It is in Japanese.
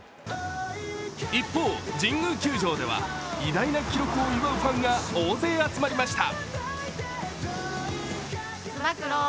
一方、神宮球場では偉大な記録を祝うファンが大勢集まりました。